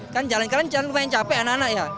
kan jalan jalan lumayan capek anak anak ya